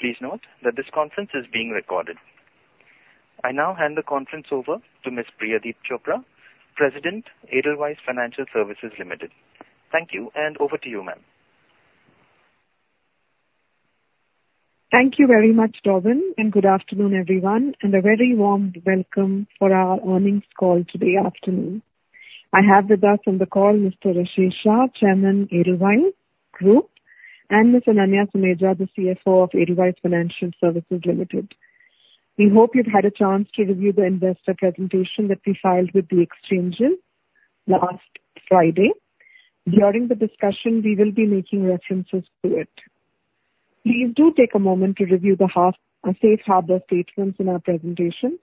Please note that this conference is being recorded. I now hand the conference over to Ms. Priyadeep Chopra, President, Edelweiss Financial Services Limited. Thank you, and over to you, ma'am. Thank you very much, Darwin, and good afternoon, everyone, and a very warm welcome for our earnings call today afternoon. I have with us on the call Mr. Rashesh Shah, Chairman, Edelweiss Group, and Ms. Ananya Suneja, the CFO of Edelweiss Financial Services Limited. We hope you've had a chance to review the investor presentation that we filed with the exchange last Friday. During the discussion, we will be making references to it. Please do take a moment to review the safe harbor statements in our presentation.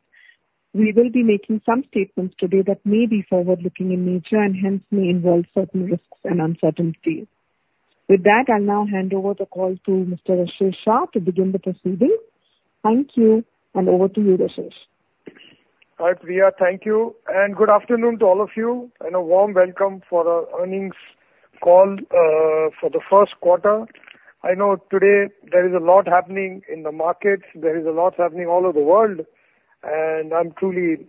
We will be making some statements today that may be forward-looking in nature and hence may involve certain risks and uncertainties. With that, I'll now hand over the call to Mr. Rashesh Shah to begin the proceeding. Thank you, and over to you, Rashesh. All right, Priya, thank you, and good afternoon to all of you, and a warm welcome for our earnings call for the first quarter. I know today there is a lot happening in the markets. There is a lot happening all over the world, and I'm truly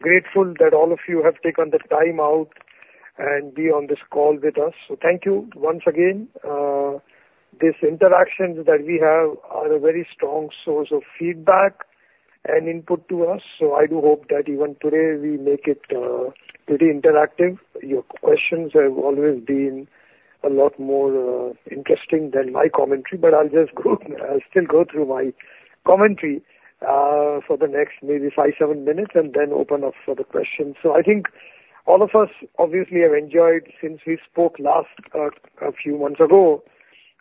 grateful that all of you have taken the time out and be on this call with us. So thank you once again. These interactions that we have are a very strong source of feedback and input to us, so I do hope that even today we make it pretty interactive. Your questions have always been a lot more interesting than my commentary, but I'll just still go through my commentary for the next maybe 5-7 minutes and then open up for the questions. So I think all of us obviously have enjoyed, since we spoke last a few months ago,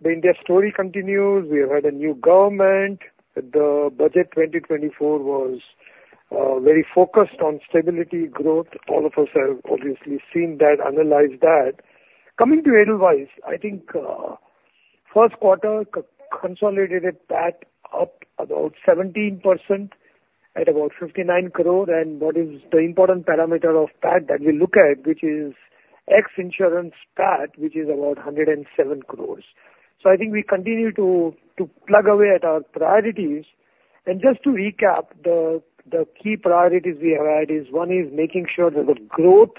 the India story continues. We have had a new government. The Budget 2024 was very focused on stability, growth. All of us have obviously seen that, analyzed that. Coming to Edelweiss, I think first quarter consolidated PAT up about 17% at about 59 crore, and what is the important parameter of that that we look at, which is ex-insurance PAT, which is about 107 crore. So I think we continue to plug away at our priorities, and just to recap, the key priorities we have had is one is making sure that the growth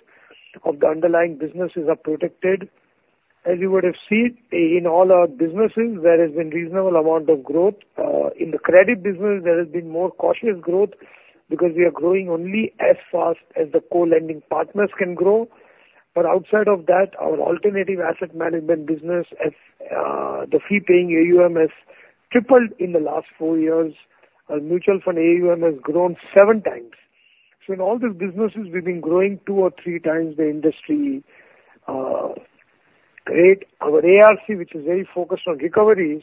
of the underlying businesses are protected. As you would have seen in all our businesses, there has been a reasonable amount of growth. In the credit business, there has been more cautious growth because we are growing only as fast as the co-lending partners can grow. But outside of that, our alternative asset management business, the fee-paying AUM, has tripled in the last four years. Our mutual fund AUM has grown seven times. So in all these businesses, we've been growing two or three times the industry rate. Our ARC, which is very focused on recoveries,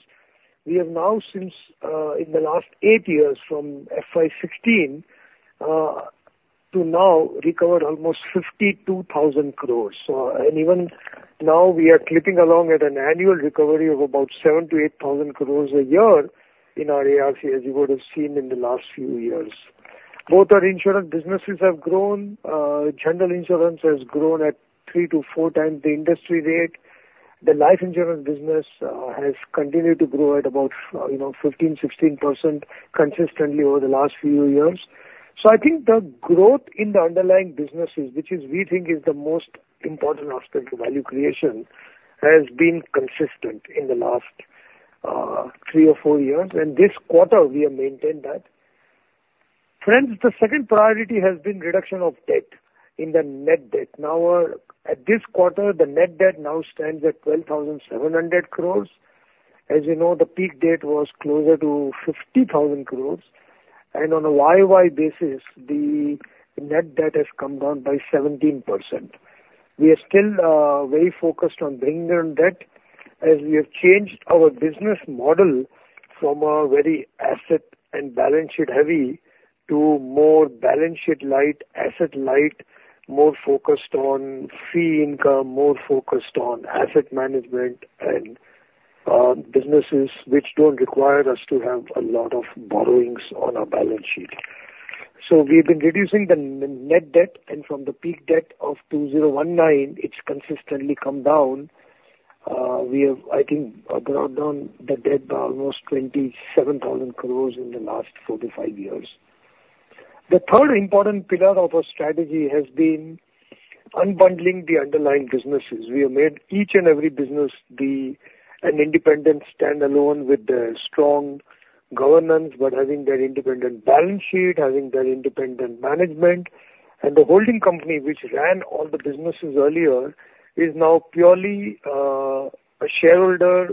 we have now, since in the last eight years from FY 2016 to now, recovered almost 52,000 crore. So even now we are clipping along at an annual recovery of about 7,000 crore-8,000 crore a year in our ARC, as you would have seen in the last few years. Both our insurance businesses have grown. General insurance has grown at three to four times the industry rate. The life insurance business has continued to grow at about 15%-16% consistently over the last few years. So I think the growth in the underlying businesses, which we think is the most important aspect of value creation, has been consistent in the last three or four years, and this quarter we have maintained that. Friends, the second priority has been reduction of debt in the net debt. Now, at this quarter, the net debt now stands at 12,700 crore. As you know, the peak debt was closer to 50,000 crore, and on a Y-o-Y basis, the net debt has come down by 17%. We are still very focused on bringing on debt, as we have changed our business model from a very asset and balance sheet heavy to more balance sheet light, asset light, more focused on fee income, more focused on asset management and businesses which don't require us to have a lot of borrowings on our balance sheet. So we've been reducing the net debt, and from the peak debt of 2019, it's consistently come down. We have, I think, brought down the debt by almost 27,000 crore in the last 4-5 years. The third important pillar of our strategy has been unbundling the underlying businesses. We have made each and every business be an independent standalone with strong governance, but having that independent balance sheet, having that independent management, and the holding company which ran all the businesses earlier is now purely a shareholder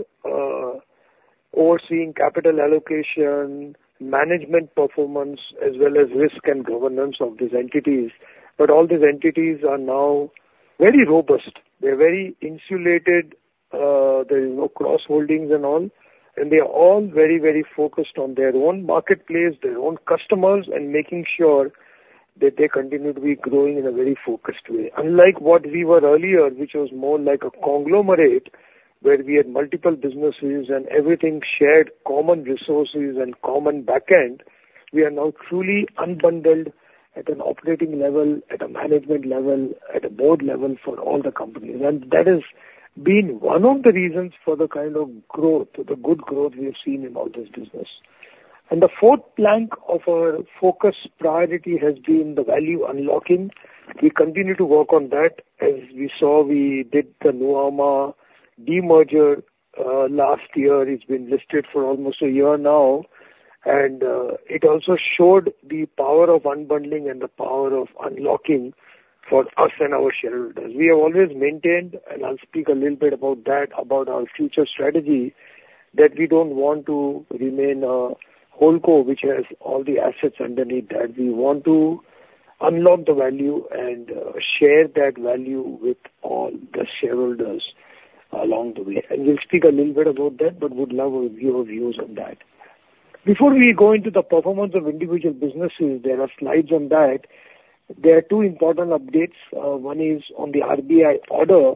overseeing capital allocation, management performance, as well as risk and governance of these entities. But all these entities are now very robust. They're very insulated. There is no cross-holdings and all, and they are all very, very focused on their own marketplace, their own customers, and making sure that they continue to be growing in a very focused way. Unlike what we were earlier, which was more like a conglomerate where we had multiple businesses and everything shared common resources and common backend, we are now truly unbundled at an operating level, at a management level, at a board level for all the companies. That has been one of the reasons for the kind of growth, the good growth we have seen in all this business. The fourth plank of our focus priority has been the value unlocking. We continue to work on that. As we saw, we did the Nuvama demerger last year. It's been listed for almost a year now, and it also showed the power of unbundling and the power of unlocking for us and our shareholders. We have always maintained, and I'll speak a little bit about that, about our future strategy, that we don't want to remain a HoldCo which has all the assets underneath that. We want to unlock the value and share that value with all the shareholders along the way. We'll speak a little bit about that, but would love your views on that. Before we go into the performance of individual businesses, there are slides on that. There are two important updates. One is on the RBI order.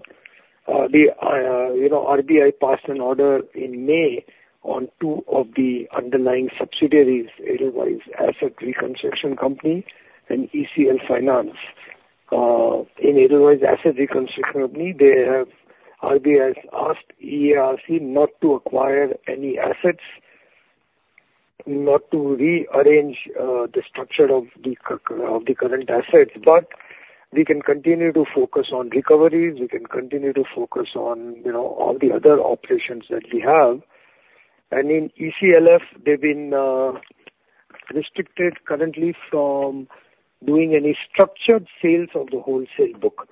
The RBI passed an order in May on two of the underlying subsidiaries: Edelweiss Asset Reconstruction Company and ECL Finance. In Edelweiss Asset Reconstruction Company, RBI has asked EARC not to acquire any assets, not to rearrange the structure of the current assets, but we can continue to focus on recoveries. We can continue to focus on all the other operations that we have. In ECLF, they've been restricted currently from doing any structured sales of the wholesale book.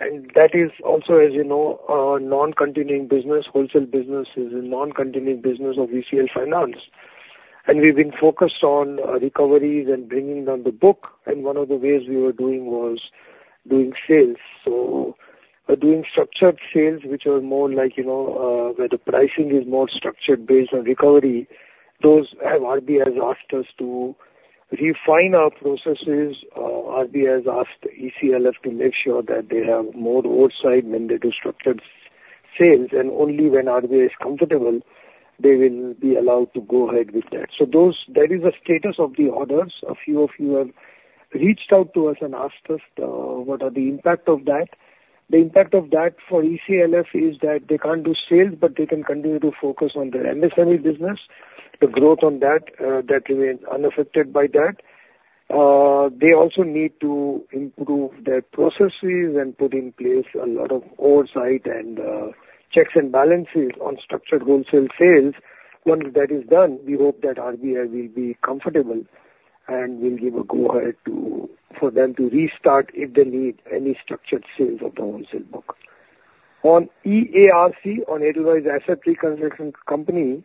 That is also, as you know, a non-continuing business. Wholesale business is a non-continuing business of ECL Finance, and we've been focused on recoveries and bringing on the book. One of the ways we were doing was doing sales. So doing structured sales, which are more like where the pricing is more structured based on recovery. RBI has asked us to refine our processes. RBI has asked ECLF to make sure that they have more oversight when they do structured sales, and only when RBI is comfortable, they will be allowed to go ahead with that. So that is the status of the orders. A few of you have reached out to us and asked us what are the impact of that. The impact of that for ECLF is that they can't do sales, but they can continue to focus on their MSME business. The growth on that, that remains unaffected by that. They also need to improve their processes and put in place a lot of oversight and checks and balances on structured wholesale sales. Once that is done, we hope that RBI will be comfortable and will give a go-ahead for them to restart if they need any structured sales of the wholesale book. On EARC, on Edelweiss Asset Reconstruction Company,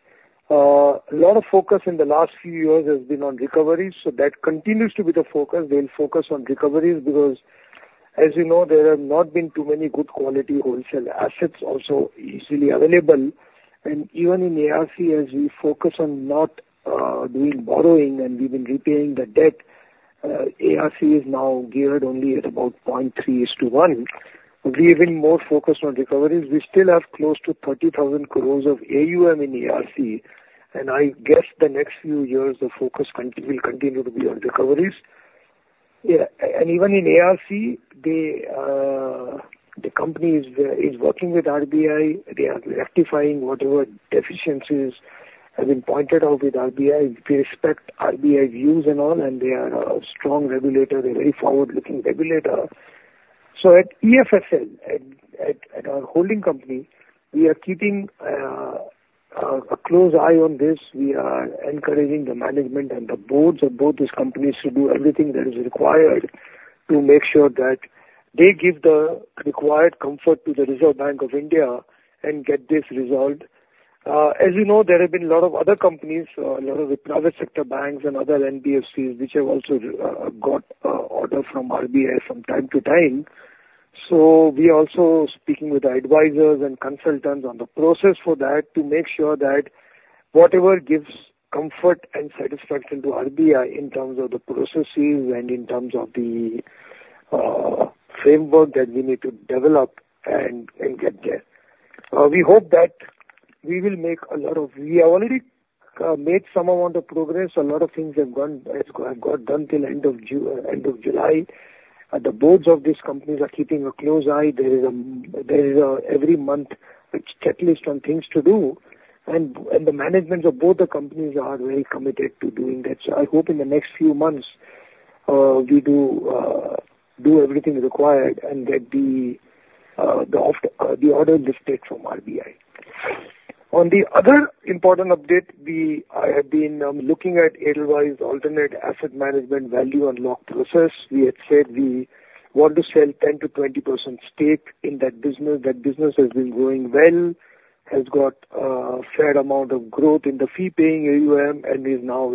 a lot of focus in the last few years has been on recoveries, so that continues to be the focus. They'll focus on recoveries because, as you know, there have not been too many good quality wholesale assets also easily available. And even in EARC, as we focus on not doing borrowing and we've been repaying the debt, EARC is now geared only at about 0.3 is to 1. We've been more focused on recoveries. We still have close to 30,000 crore of AUM in EARC, and I guess the next few years the focus will continue to be on recoveries. And even in EARC, the company is working with RBI. They are rectifying whatever deficiencies have been pointed out with RBI. We respect RBI views and all, and they are a strong regulator, a very forward-looking regulator. So at EFSL, at our holding company, we are keeping a close eye on this. We are encouraging the management and the Boards of both these companies to do everything that is required to make sure that they give the required comfort to the Reserve Bank of India and get this resolved. As you know, there have been a lot of other companies, a lot of private sector banks and other NBFCs, which have also got orders from RBI from time to time. So we are also speaking with advisors and consultants on the process for that to make sure that whatever gives comfort and satisfaction to RBI in terms of the processes and in terms of the framework that we need to develop and get there. We hope that we will make a lot of we have already made some amount of progress. A lot of things have got done till end of July. The boards of these companies are keeping a close eye. There is every month a checklist on things to do, and the managements of both the companies are very committed to doing that. So I hope in the next few months we do everything required and get the order lifted from RBI. On the other important update, I have been looking at Edelweiss Alternative Asset Management Value Unlocked process. We had said we want to sell 10%-20% stake in that business. That business has been growing well, has got a fair amount of growth in the fee-paying AUM, and is now,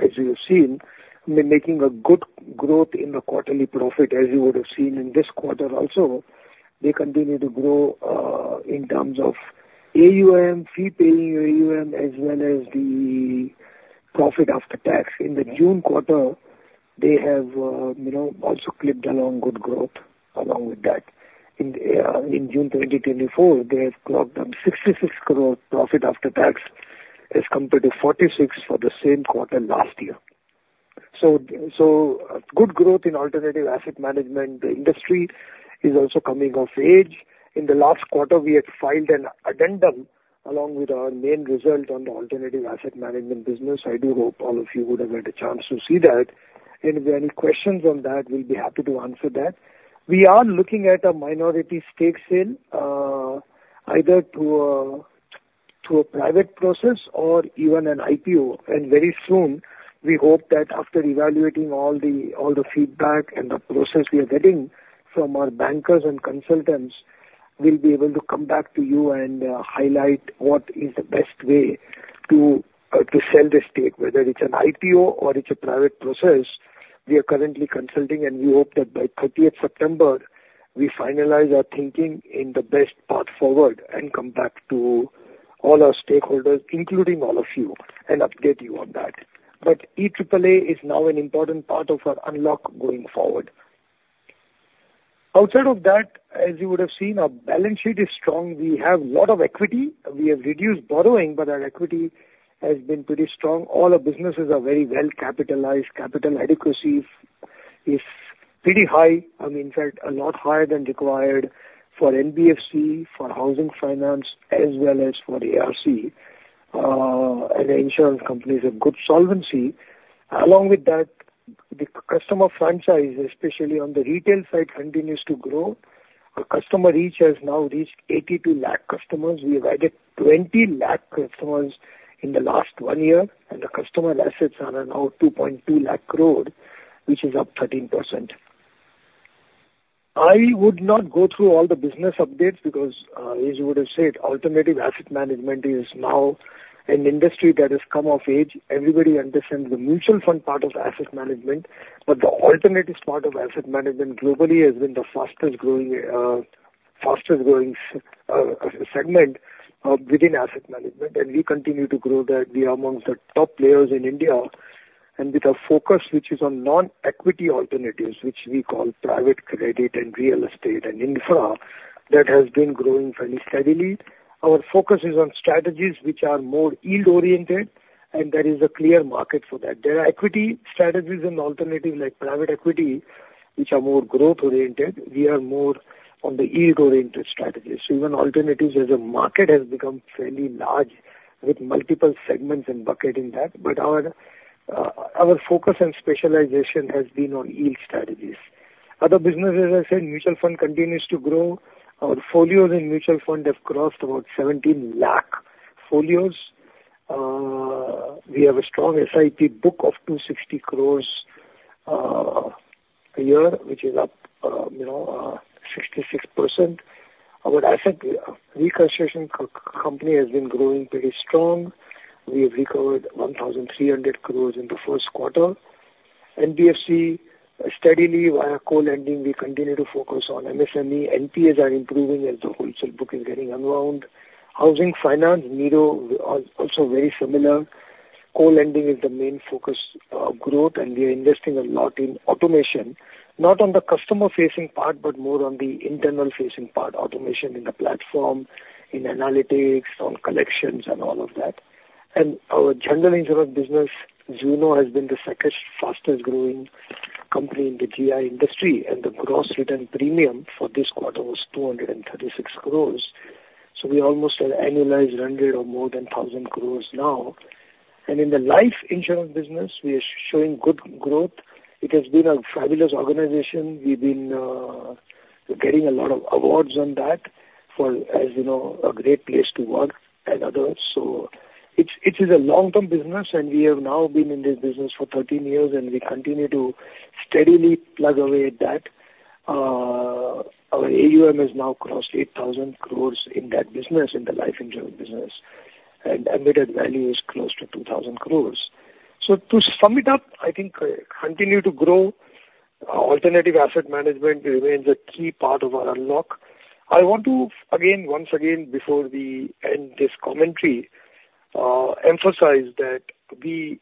as you have seen, making a good growth in the quarterly profit, as you would have seen in this quarter also. They continue to grow in terms of AUM, fee-paying AUM, as well as the profit after tax. In the June quarter, they have also clocked along good growth along with that. In June 2024, they have clocked 66 crore profit after tax as compared to 46 crore for the same quarter last year. So good growth in alternative asset management. The industry is also coming of age. In the last quarter, we had filed an addendum along with our main result on the alternative asset management business. I do hope all of you would have had a chance to see that. If there are any questions on that, we'll be happy to answer that. We are looking at a minority stake sale, either through a private process or even an IPO. Very soon, we hope that after evaluating all the feedback and the process we are getting from our bankers and consultants, we'll be able to come back to you and highlight what is the best way to sell the stake, whether it's an IPO or it's a private process. We are currently consulting, and we hope that by 30th September, we finalize our thinking in the best path forward and come back to all our stakeholders, including all of you, and update you on that. But EAAA is now an important part of our unlock going forward. Outside of that, as you would have seen, our balance sheet is strong. We have a lot of equity. We have reduced borrowing, but our equity has been pretty strong. All our businesses are very well capitalized. Capital adequacy is pretty high. I mean, in fact, a lot higher than required for NBFC, for housing finance, as well as for ARC, and the insurance companies have good solvency. Along with that, the customer franchise, especially on the retail side, continues to grow. Our customer reach has now reached 82 lakh customers. We have added 20 lakh customers in the last one year, and the customer assets are now 2.2 lakh crore, which is up 13%. I would not go through all the business updates because, as you would have said, alternative asset management is now an industry that has come of age. Everybody understands the mutual fund part of asset management, but the alternative part of asset management globally has been the fastest growing segment within asset management, and we continue to grow that. We are amongst the top players in India, and with a focus which is on non-equity alternatives, which we call private credit and real estate and infra, that has been growing fairly steadily. Our focus is on strategies which are more yield-oriented, and there is a clear market for that. There are equity strategies and alternatives like private equity, which are more growth-oriented. We are more on the yield-oriented strategies. So even alternatives, as a market, has become fairly large with multiple segments and buckets in that, but our focus and specialization has been on yield strategies. Other businesses, as I said, mutual fund continues to grow. Our folios in mutual fund have crossed about 17 lakh folios. We have a strong SIP book of 260 crore a year, which is up 66%. Our Asset Reconstruction Company has been growing pretty strong. We have recovered 1,300 crore in the first quarter. NBFC steadily via co-lending. We continue to focus on MSME. NPAs are improving as the wholesale book is getting unwound. Housing finance, Nido, also very similar. Co-lending is the main focus of growth, and we are investing a lot in automation, not on the customer-facing part, but more on the internal-facing part, automation in the platform, in analytics, on collections, and all of that. Our general insurance business, Zuno, has been the second fastest-growing company in the GI industry, and the gross written premium for this quarter was 236 crore. So we almost have annualized run rate of more than 1,000 crore now. In the life insurance business, we are showing good growth. It has been a fabulous organization. We've been getting a lot of awards on that for, as you know, a great place to work and others. So it is a long-term business, and we have now been in this business for 13 years, and we continue to steadily plug away at that. Our AUM has now crossed 8,000 crore in that business, in the life insurance business, and embedded value is close to 2,000 crore. So to sum it up, I think continue to grow. Alternative asset management remains a key part of our unlock. I want to, again, once again, before we end this commentary, emphasize that we,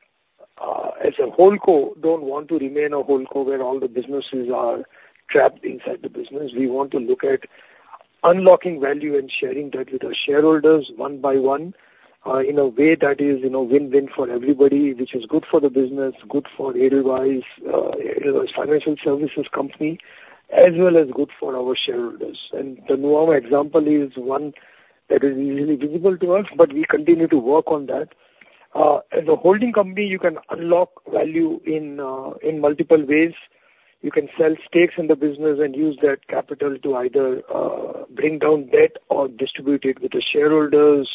as a HoldCo, don't want to remain a HoldCo where all the businesses are trapped inside the business. We want to look at unlocking value and sharing that with our shareholders one by one in a way that is win-win for everybody, which is good for the business, good for Edelweiss Financial Services Company, as well as good for our shareholders. And the Nuvama example is one that is easily visible to us, but we continue to work on that. As a holding company, you can unlock value in multiple ways. You can sell stakes in the business and use that capital to either bring down debt or distribute it with the shareholders,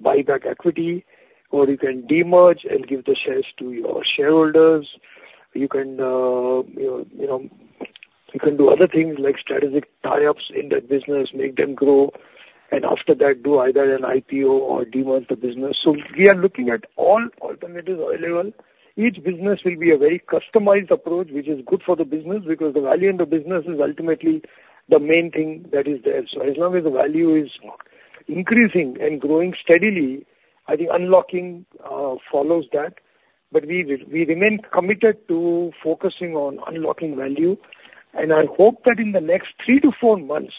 buy back equity, or you can demerge and give the shares to your shareholders. You can do other things like strategic tie-ups in the business, make them grow, and after that, do either an IPO or demerge the business. So we are looking at all alternatives available. Each business will be a very customized approach, which is good for the business because the value in the business is ultimately the main thing that is there. So as long as the value is increasing and growing steadily, I think unlocking follows that. But we remain committed to focusing on unlocking value, and I hope that in the next 3-4 months,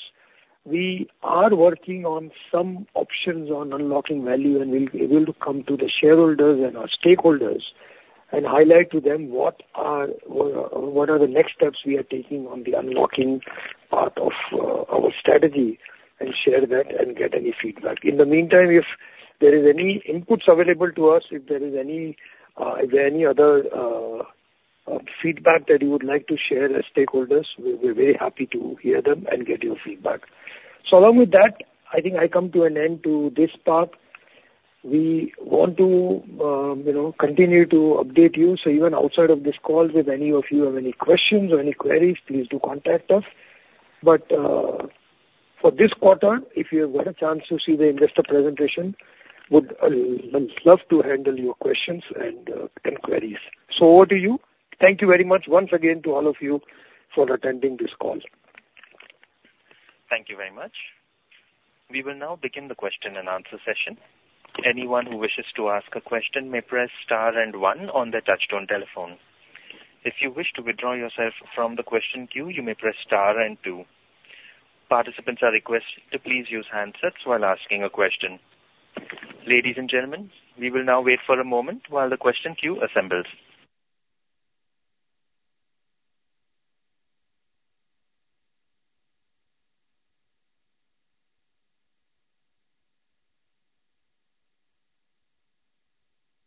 we are working on some options on unlocking value, and we'll be able to come to the shareholders and our stakeholders and highlight to them what are the next steps we are taking on the unlocking part of our strategy and share that and get any feedback. In the meantime, if there is any inputs available to us, if there is any other feedback that you would like to share as stakeholders, we're very happy to hear them and get your feedback. So along with that, I think I come to an end to this part. We want to continue to update you. So even outside of this call, if any of you have any questions or any queries, please do contact us. But for this quarter, if you have got a chance to see the investor presentation, we'd love to handle your questions and queries. So over to you. Thank you very much once again to all of you for attending this call. Thank you very much. We will now begin the question and answer session. Anyone who wishes to ask a question may press star and one on the touch-tone telephone. If you wish to withdraw yourself from the question queue, you may press star and two. Participants are requested to please use handsets while asking a question. Ladies and gentlemen, we will now wait for a moment while the question queue assembles.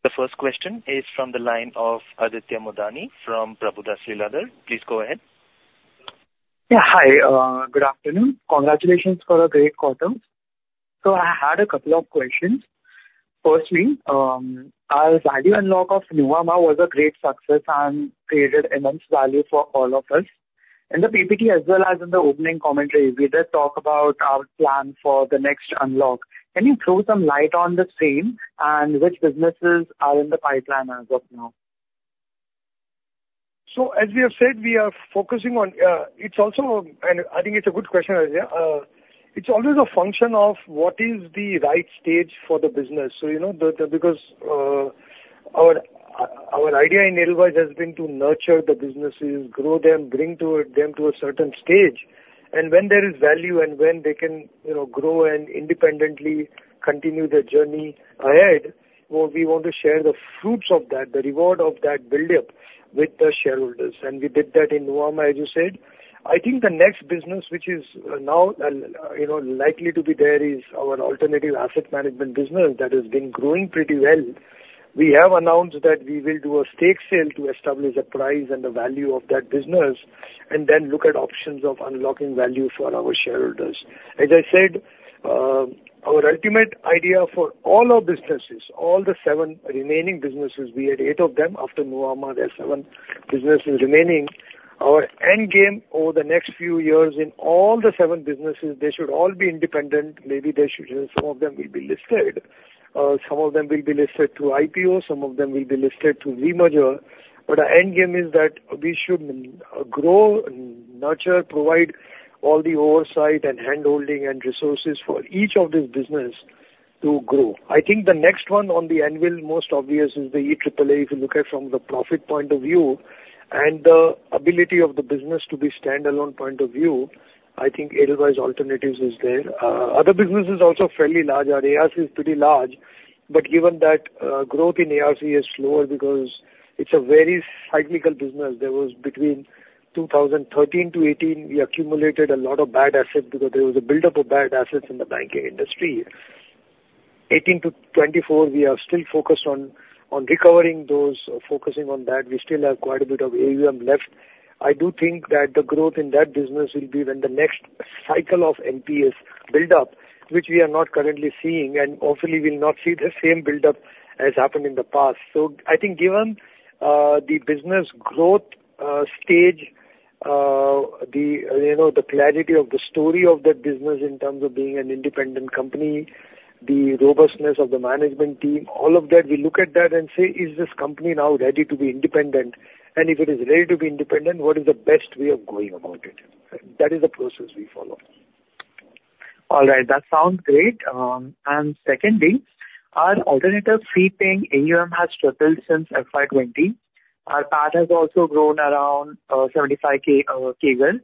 The first question is from the line of Aditya Modani from Prabhudas Lilladher. Please go ahead. Yeah, hi. Good afternoon. Congratulations for a great quarter. So I had a couple of questions. Firstly, our value unlock of Nuvama was a great success and created immense value for all of us. In the PPT, as well as in the opening commentary, we did talk about our plan for the next unlock. Can you throw some light on the same and which businesses are in the pipeline as of now? So as we have said, we are focusing on, and I think it's a good question, Aditya. It's always a function of what is the right stage for the business. Because our idea in Edelweiss has been to nurture the businesses, grow them, bring them to a certain stage, and when there is value and when they can grow and independently continue their journey ahead, we want to share the fruits of that, the reward of that buildup with the shareholders. We did that in Nuvama, as you said. I think the next business, which is now likely to be there, is our alternative asset management business that has been growing pretty well. We have announced that we will do a stake sale to establish a price and the value of that business and then look at options of unlocking value for our shareholders. As I said, our ultimate idea for all our businesses: all the seven remaining businesses. We had eight of them after Nuvama. There are seven businesses remaining. Our end game over the next few years in all the seven businesses, they should all be independent. Maybe some of them will be listed. Some of them will be listed through IPO. Some of them will be listed through demerger. But our end game is that we should grow, nurture, provide all the oversight and handholding and resources for each of these businesses to grow. I think the next one on the anvil, most obvious, is the EAAA, if you look at it from the profit point of view and the ability of the business to be standalone point of view, I think Edelweiss Alternatives is there. Other businesses also fairly large. Our ARC is pretty large, but given that growth in ARC is slower because it's a very cyclical business. There was between 2013-2018, we accumulated a lot of bad assets because there was a buildup of bad assets in the banking industry. 2018-2024, we are still focused on recovering those, focusing on that. We still have quite a bit of AUM left. I do think that the growth in that business will be when the next cycle of NPA buildup, which we are not currently seeing, and hopefully we will not see the same buildup as happened in the past. So I think given the business growth stage, the clarity of the story of that business in terms of being an independent company, the robustness of the management team, all of that, we look at that and say, "Is this company now ready to be independent?" And if it is ready to be independent, what is the best way of going about it? That is the process we follow. All right. That sounds great. Secondly, our alternative fee-paying AUM has struggled since FY2020. Our PAT has also grown around 75% CAGR.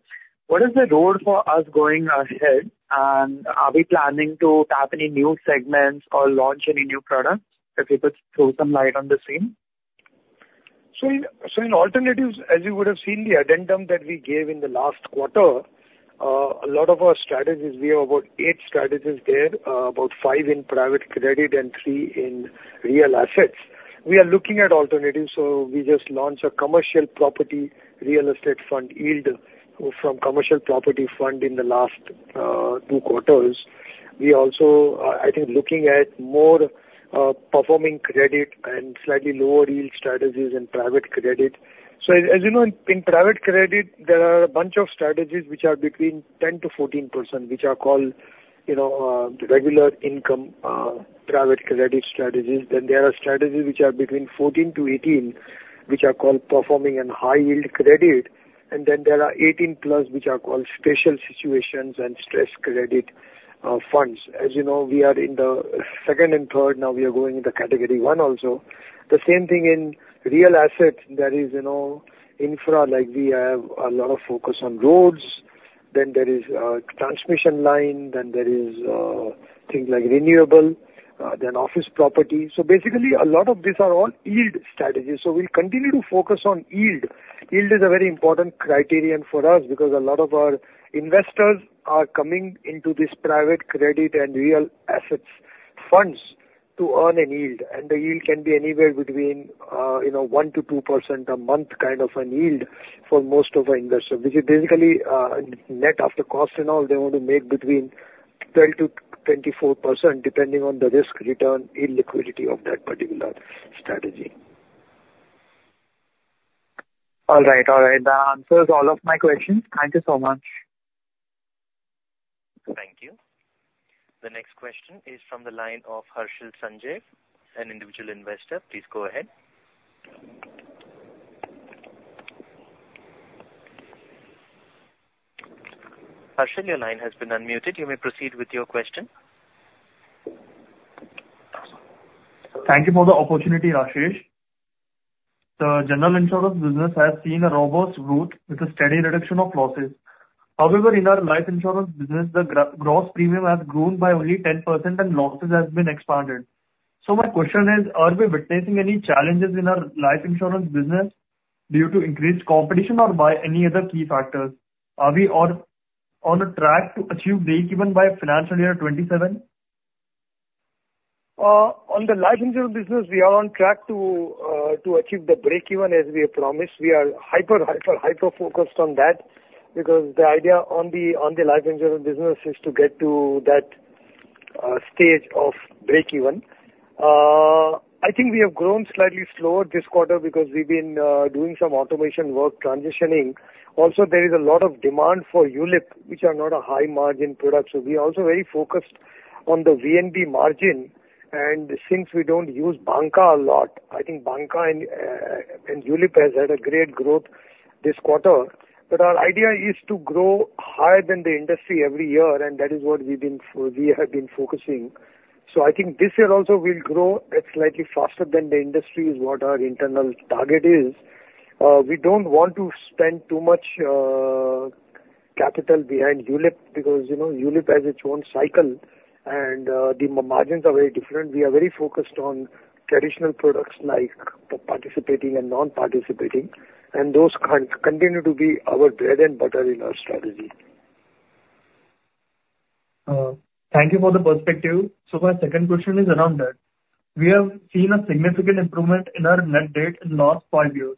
What is the road for us going ahead? And are we planning to tap any new segments or launch any new products? If you could throw some light on the same. So in Alternatives, as you would have seen the addendum that we gave in the last quarter, a lot of our strategies, we have about eight strategies there, about five in private credit and three in real assets. We are looking at alternatives. So we just launched a commercial property real estate fund yield from commercial property fund in the last two quarters. We also, I think, are looking at more performing credit and slightly lower yield strategies in private credit. So as you know, in private credit, there are a bunch of strategies which are between 10%-14%, which are called regular income private credit strategies. Then there are strategies which are between 14%-18%, which are called performing and high yield credit. And then there are +18%, which are called special situations and stress credit funds. As you know, we are in the second and third now. We are going into category one also. The same thing in real assets. There is infra, like we have a lot of focus on roads. Then there is a transmission line. Then there is things like renewable. Then office property. So basically, a lot of these are all yield strategies. So we'll continue to focus on yield. Yield is a very important criterion for us because a lot of our investors are coming into this private credit and real assets funds to earn an yield. And the yield can be anywhere between 1%-2% a month kind of an yield for most of our investors. Basically, net after cost and all, they want to make between 12%-24% depending on the risk, return, and liquidity of that particular strategy. All right. All right. That answers all of my questions. Thank you so much. Thank you. The next question is from the line of Harshil Sanjay, an individual investor. Please go ahead. Harshil, your line has been unmuted. You may proceed with your question. Thank you for the opportunity, Rashesh. The general insurance business has seen a robust growth with a steady reduction of losses. However, in our life insurance business, the gross premium has grown by only 10%, and losses have been expanded. So my question is, are we witnessing any challenges in our life insurance business due to increased competition or by any other key factors? Are we on a track to achieve break-even by financial year 2027? On the life insurance business, we are on track to achieve the break-even as we have promised. We are hyper-focused on that because the idea on the life insurance business is to get to that stage of break-even. I think we have grown slightly slower this quarter because we've been doing some automation work, transitioning. Also, there is a lot of demand for ULIP, which are not a high-margin product. So we are also very focused on the VNB margin. Since we don't use Banca a lot, I think Banca and ULIP have had a great growth this quarter. Our idea is to grow higher than the industry every year, and that is what we have been focusing. I think this year also we'll grow slightly faster than the industry is what our internal target is. We don't want to spend too much capital behind ULIP because ULIP has its own cycle, and the margins are very different. We are very focused on traditional products like participating and non-participating. Those continue to be our bread and butter in our strategy. Thank you for the perspective. My second question is around debt. We have seen a significant improvement in our net debt in the last five years.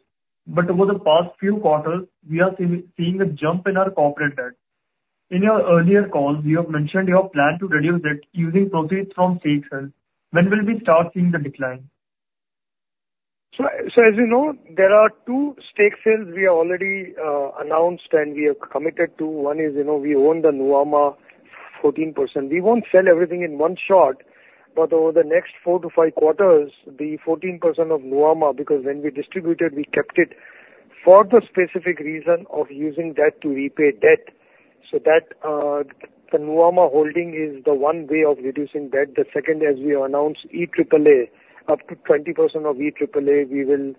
Over the past few quarters, we are seeing a jump in our corporate debt. In your earlier call, you have mentioned your plan to reduce debt using proceeds from stake sales. When will we start seeing the decline? So as you know, there are two stake sales we have already announced and we have committed to. One is we own the Nuvama 14%. We won't sell everything in one shot, but over the next 4-5 quarters, the 14% of Nuvama, because when we distributed, we kept it for the specific reason of using debt to repay debt. So the Nuvama holding is the one way of reducing debt. The second, as we announced, EAAA, up to 20% of EAAA, we will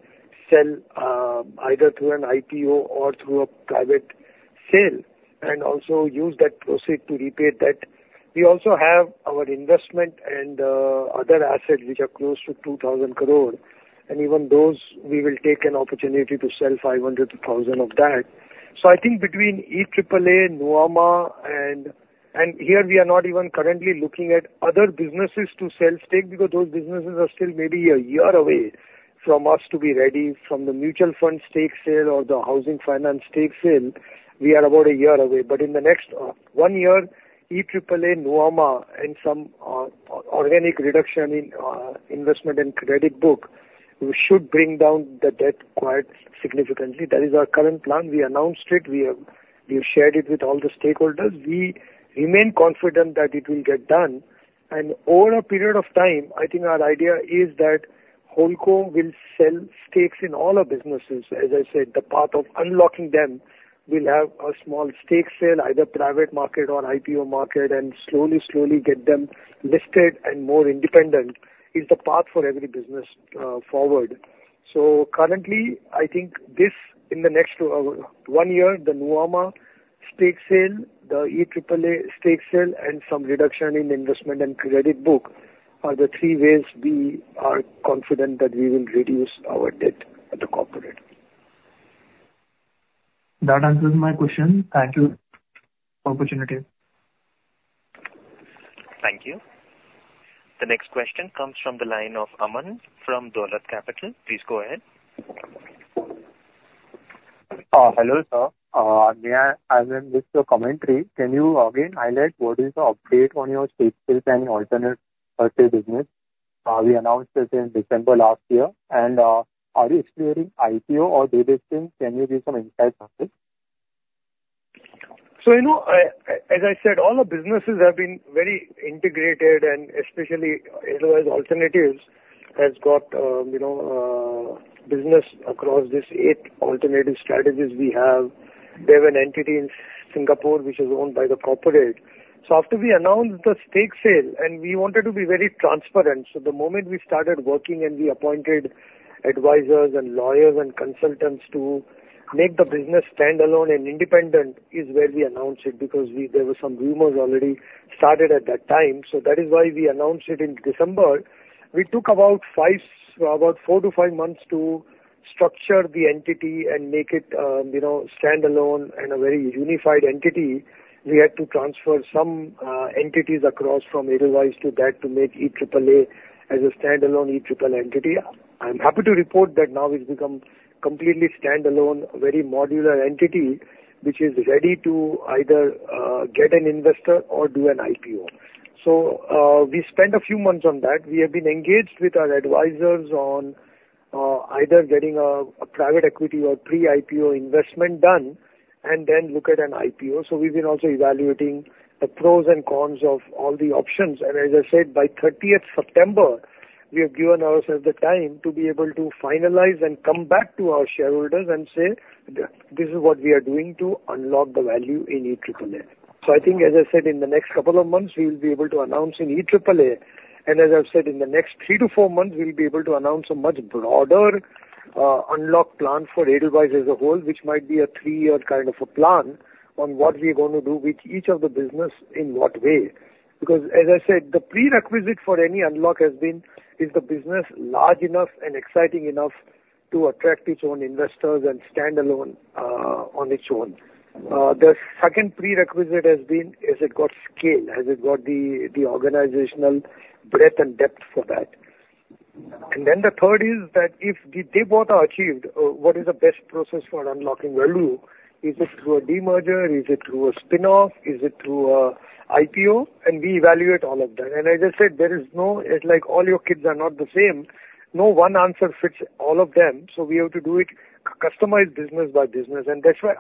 sell either through an IPO or through a private sale and also use that proceeds to repay debt. We also have our investment and other assets which are close to 2,000 crore. Even those, we will take an opportunity to sell 500 crore-1,000 crore of that. So I think between EAAA, Nuvama, and here, we are not even currently looking at other businesses to sell stake because those businesses are still maybe a year away from us to be ready from the mutual fund stake sale or the housing finance stake sale. We are about a year away. But in the next one year, EAAA, Nuvama, and some organic reduction in investment and credit book should bring down the debt quite significantly. That is our current plan. We announced it. We have shared it with all the stakeholders. We remain confident that it will get done. And over a period of time, I think our idea is that HoldCo will sell stakes in all our businesses. As I said, the path of unlocking them will have a small stake sale, either private market or IPO market, and slowly, slowly get them listed and more independent is the path for every business forward. So currently, I think this in the next one year, the Nuvama stake sale, the EAAA stake sale, and some reduction in investment and credit book are the three ways we are confident that we will reduce our debt at the corporate. That answers my question. Thank you for the opportunity. Thank you. The next question comes from the line of Aman from Dolat Capital. Please go ahead. Hello, sir. May I add in just a commentary? Can you again highlight what is the update on your stake sales and alternative business? We announced this in December last year. And are you exploring IPO or do this thing? Can you give some insights on this? As I said, all the businesses have been very integrated, and especially Edelweiss Alternatives has got business across these eight alternative strategies we have. They have an entity in Singapore which is owned by the corporate. After we announced the stake sale, we wanted to be very transparent. The moment we started working and we appointed advisors and lawyers and consultants to make the business standalone and independent is where we announced it because there were some rumors already started at that time. That is why we announced it in December. We took about 4-5 months to structure the entity and make it standalone and a very unified entity. We had to transfer some entities across from Edelweiss to that to make EAAA as a standalone EAAA entity. I'm happy to report that now we've become completely standalone, a very modular entity which is ready to either get an investor or do an IPO. So we spent a few months on that. We have been engaged with our advisors on either getting a private equity or pre-IPO investment done and then look at an IPO. So we've been also evaluating the pros and cons of all the options. And as I said, by 30th September, we have given ourselves the time to be able to finalize and come back to our shareholders and say, "This is what we are doing to unlock the value in EAAA." So I think, as I said, in the next couple of months, we will be able to announce in EAAA. And as I've said, in the next 3-4 months, we'll be able to announce a much broader unlock plan for Edelweiss as a whole, which might be a three-year kind of a plan on what we are going to do with each of the businesses in what way. Because, as I said, the prerequisite for any unlock has been is the business large enough and exciting enough to attract its own investors and stand alone on its own. The second prerequisite has been has it got scale? Has it got the organizational breadth and depth for that? And then the third is that if the deep water achieved, what is the best process for unlocking value? Is it through a demerger? Is it through a spinoff? Is it through an IPO? And we evaluate all of that. As I said, there is no—it's like all your kids are not the same. No one answer fits all of them. So we have to do it customized business by business. And that's why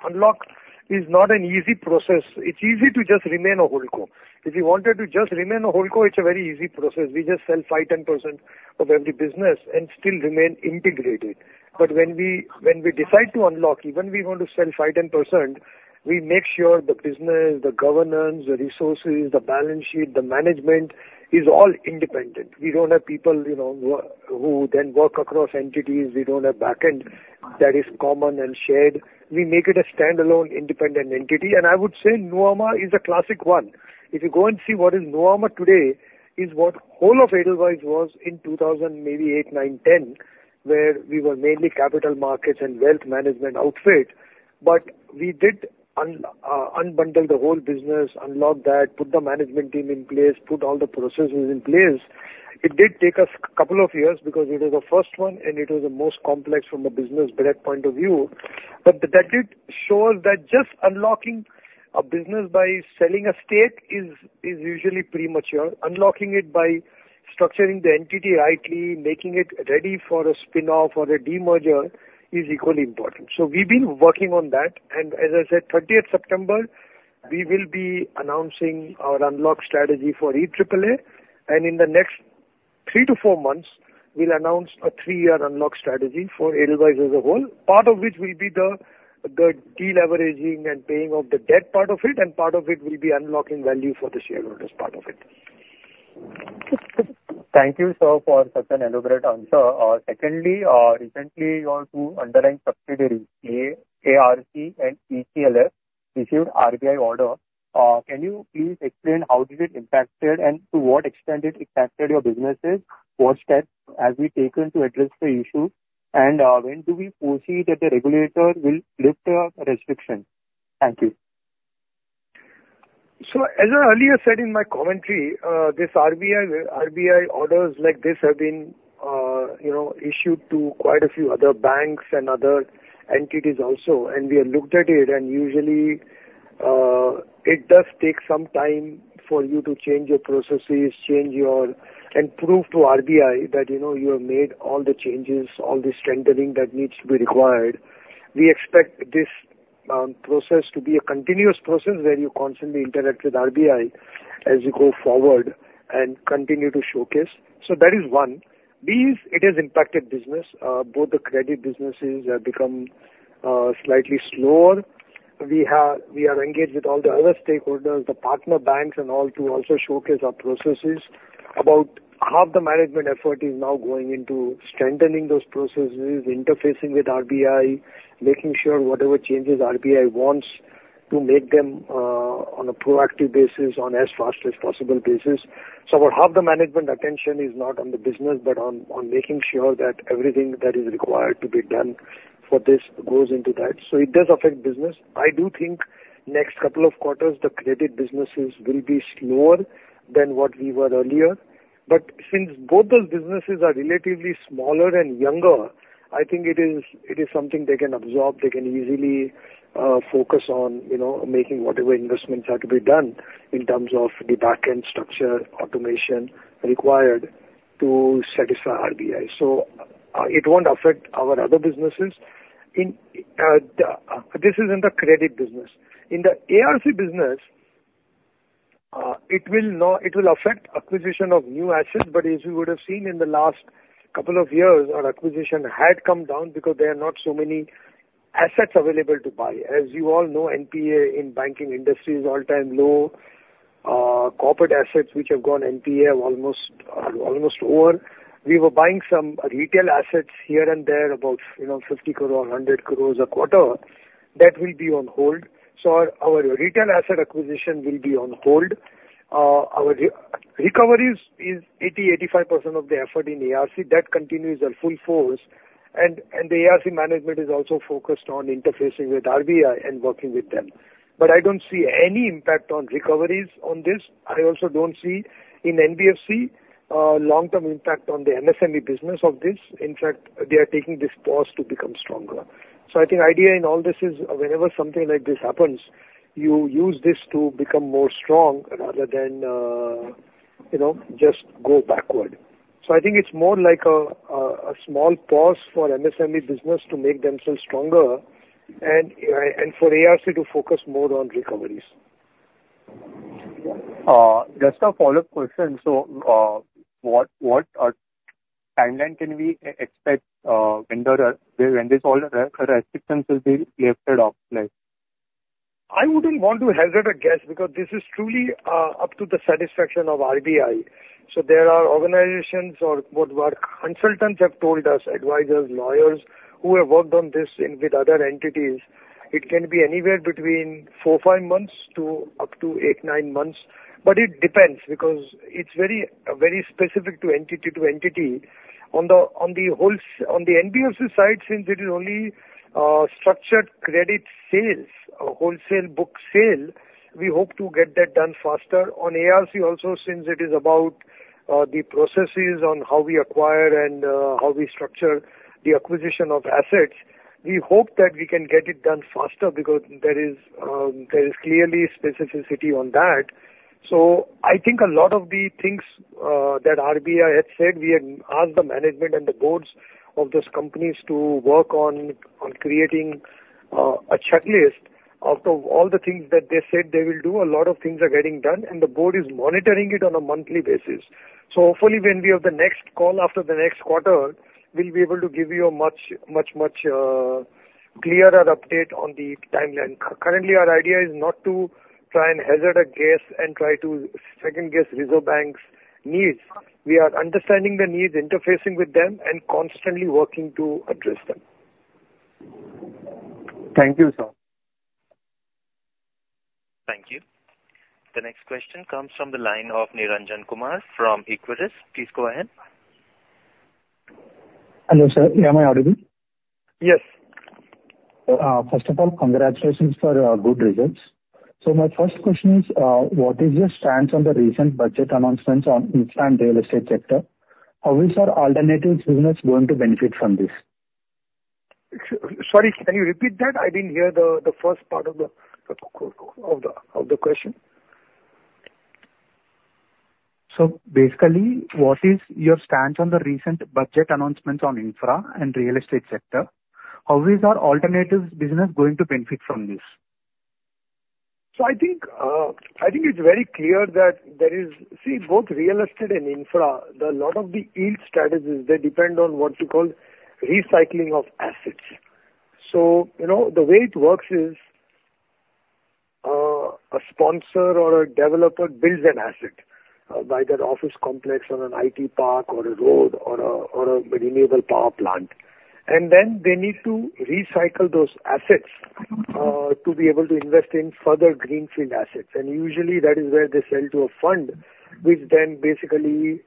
unlock is not an easy process. It's easy to just remain a HoldCo. If you wanted to just remain a HoldCo, it's a very easy process. We just sell 5%-10% of every business and still remain integrated. But when we decide to unlock, even if we want to sell 5%-10%, we make sure the business, the governance, the resources, the balance sheet, the management is all independent. We don't have people who then work across entities. We don't have backend that is common and shared. We make it a standalone, independent entity. And I would say Nuvama is a classic one. If you go and see what is Nuvama today is what whole of Edelweiss was in 2000, maybe 2008, 2009, 2010, where we were mainly capital markets and wealth management outfit. But we did unbundle the whole business, unlock that, put the management team in place, put all the processes in place. It did take us a couple of years because it was the first one, and it was the most complex from a business breadth point of view. But that did show us that just unlocking a business by selling a stake is usually premature. Unlocking it by structuring the entity rightly, making it ready for a spinoff or a demerger is equally important. So we've been working on that. And as I said, 30th September, we will be announcing our unlock strategy for EAAA. In the next 3-4 months, we'll announce a three-year unlock strategy for Edelweiss as a whole, part of which will be the de-leveraging and paying of the debt part of it, and part of it will be unlocking value for the shareholders part of it. Thank you, sir, for such an elaborate answer. Secondly, recently, your two underlying subsidiaries, ARC and ECLF, received RBI order. Can you please explain how did it impact and to what extent it impacted your businesses? What steps have we taken to address the issue? And when do we foresee that the regulator will lift the restriction? Thank you. As I earlier said in my commentary, these RBI orders like this have been issued to quite a few other banks and other entities also. We have looked at it, and usually, it does take some time for you to change your processes, change your and prove to RBI that you have made all the changes, all the strengthening that needs to be required. We expect this process to be a continuous process where you constantly interact with RBI as you go forward and continue to showcase. So that is one. It has impacted business. Both the credit businesses have become slightly slower. We are engaged with all the other stakeholders, the partner banks, and all to also showcase our processes. About half the management effort is now going into strengthening those processes, interfacing with RBI, making sure whatever changes RBI wants to make them on a proactive basis on as fast as possible basis. So, about half the management attention is not on the business, but on making sure that everything that is required to be done for this goes into that. So it does affect business. I do think next couple of quarters, the credit businesses will be slower than what we were earlier. But since both those businesses are relatively smaller and younger, I think it is something they can absorb. They can easily focus on making whatever investments have to be done in terms of the backend structure, automation required to satisfy RBI. So it won't affect our other businesses. This is in the credit business. In the ARC business, it will affect acquisition of new assets. But as we would have seen in the last couple of years, our acquisition had come down because there are not so many assets available to buy. As you all know, NPA in banking industry is all-time low. Corporate assets which have gone NPA are almost over. We were buying some retail assets here and there, about 50 crore, 100 crore a quarter. That will be on hold. So our retail asset acquisition will be on hold. Our recoveries is 80%-85% of the effort in ARC. That continues at full force. The ARC management is also focused on interfacing with RBI and working with them. But I don't see any impact on recoveries on this. I also don't see in NBFC long-term impact on the MSME business of this. In fact, they are taking this pause to become stronger. So I think the idea in all this is whenever something like this happens, you use this to become more strong rather than just go backward. So I think it's more like a small pause for MSME business to make themselves stronger and for ARC to focus more on recoveries. Just a follow-up question. So what timeline can we expect when this all restrictions will be lifted off? I wouldn't want to hazard a guess because this is truly up to the satisfaction of RBI. So there are organizations or what consultants have told us, advisors, lawyers who have worked on this with other entities. It can be anywhere between 4-5 months to up to 8-9 months. But it depends because it's very specific to entity to entity. On the NBFC side, since it is only structured credit sales, wholesale book sale, we hope to get that done faster. On ARC also, since it is about the processes on how we acquire and how we structure the acquisition of assets, we hope that we can get it done faster because there is clearly specificity on that. So I think a lot of the things that RBI had said, we had asked the management and the boards of those companies to work on creating a checklist of all the things that they said they will do. A lot of things are getting done, and the Board is monitoring it on a monthly basis. So hopefully, when we have the next call after the next quarter, we'll be able to give you a much, much, much clearer update on the timeline. Currently, our idea is not to try and hazard a guess and try to second-guess Reserve Bank's needs. We are understanding the needs, interfacing with them, and constantly working to address them. Thank you, sir. Thank you. The next question comes from the line of Niranjan Kumar from Equirus. Please go ahead. Hello, sir. Am I audible? Yes. First of all, congratulations for good results. So my first question is, what is your stance on the recent budget announcements on infra and real estate sector? How will our alternative business going to benefit from this? Sorry, can you repeat that? I didn't hear the first part of the question. So basically, what is your stance on the recent budget announcements on infra and real estate sector? How is our alternative business going to benefit from this? So I think it's very clear that there is, see, both real estate and infra, a lot of the yield strategies, they depend on what we call recycling of assets. So the way it works is a sponsor or a developer builds an asset, either an office complex or an IT park or a road or a renewable power plant. And then they need to recycle those assets to be able to invest in further greenfield assets. And usually, that is where they sell to a fund, which then basically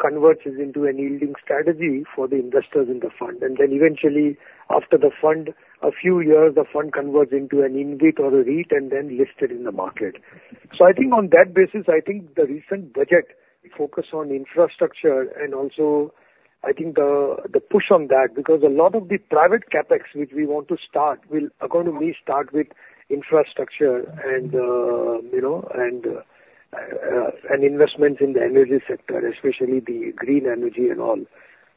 converts into a yielding strategy for the investors in the fund. And then eventually, after the fund, a few years, the fund converts into an InvIT or a REIT and then listed in the market. So I think on that basis, I think the recent budget focus on infrastructure and also I think the push on that because a lot of the private CapEx, which we want to start, will accordingly start with infrastructure and investments in the energy sector, especially the green energy and all.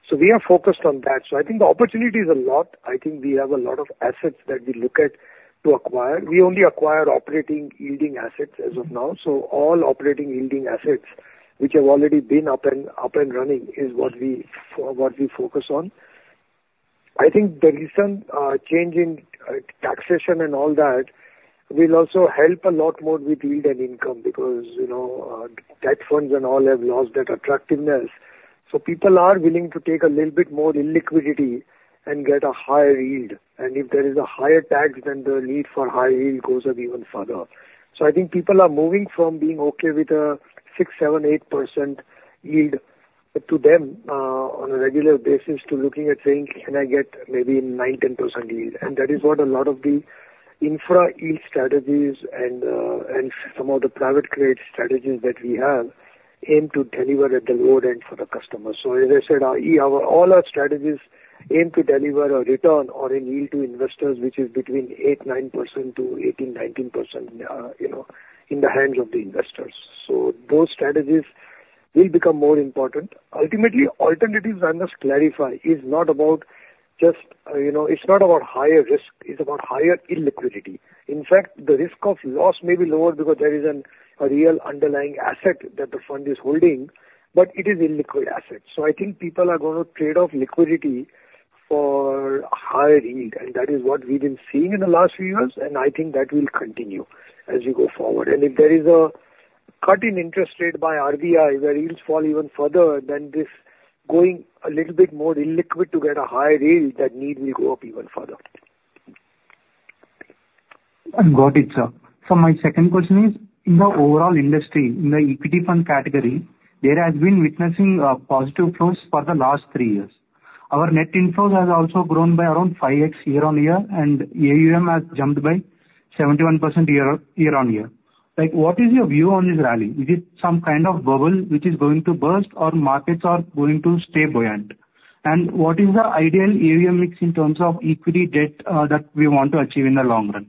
So we are focused on that. So I think the opportunity is a lot. I think we have a lot of assets that we look at to acquire. We only acquire operating yielding assets as of now. So all operating yielding assets, which have already been up and running, is what we focus on. I think the recent change in taxation and all that will also help a lot more with yield and income because debt funds and all have lost that attractiveness. So people are willing to take a little bit more illiquidity and get a higher yield. And if there is a higher tax, then the need for high yield goes up even further. So I think people are moving from being okay with a 6%, 7%, 8% yield to them on a regular basis to looking at saying, "Can I get maybe 9%, 10% yield?" And that is what a lot of the infra yield strategies and some of the private credit strategies that we have aim to deliver at the low end for the customers. So as I said, all our strategies aim to deliver a return or a yield to investors, which is between 8%-9% to 18%-19% in the hands of the investors. So those strategies will become more important. Ultimately, Alternatives, I must clarify, is not about just it's not about higher risk. It's about higher illiquidity. In fact, the risk of loss may be lower because there is a real underlying asset that the fund is holding, but it is illiquid asset. So I think people are going to trade off liquidity for higher yield. And that is what we've been seeing in the last few years, and I think that will continue as we go forward. And if there is a cut in interest rate by RBI where yields fall even further, then this going a little bit more illiquid to get a higher yield, that need will go up even further. Got it, sir. So my second question is, in the overall industry, in the equity fund category, there has been witnessing positive flows for the last three years. Our net inflows have also grown by around 5x year-on-year, and AUM has jumped by 71% year-on-year. What is your view on this rally? Is it some kind of bubble which is going to burst, or markets are going to stay buoyant? What is the ideal AUM mix in terms of equity debt that we want to achieve in the long run?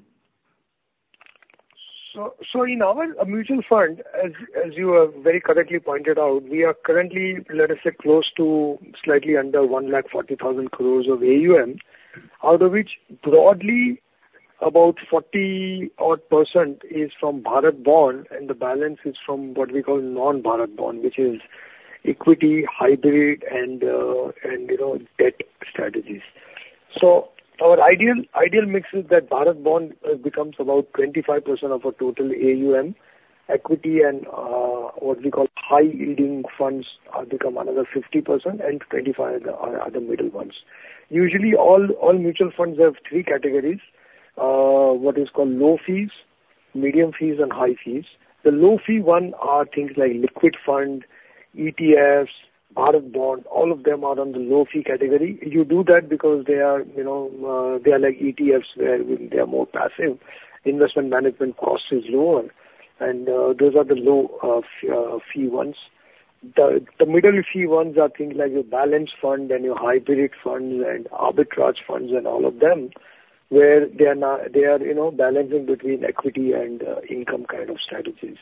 So in our mutual fund, as you have very correctly pointed out, we are currently, let us say, close to slightly under 1 lakh 40,000 crore of AUM, out of which broadly about 40 odd percent is from Bharat Bond, and the balance is from what we call non-Bharat Bond, which is equity, hybrid, and debt strategies. So our ideal mix is that Bharat Bond becomes about 25% of our total AUM Equity, and what we call high-yielding funds become another 50%, and 25% are the middle ones. Usually, all mutual funds have three categories: what is called low fees, medium fees, and high fees. The low-fee one are things like liquid fund, ETFs, Bharat Bond. All of them are on the low-fee category. You do that because they are like ETFs where they are more passive. Investment management cost is lower, and those are the low-fee ones. The middle-fee ones are things like your balance fund and your hybrid funds and arbitrage funds and all of them, where they are balancing between equity and income kind of strategies.